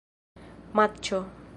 matĉo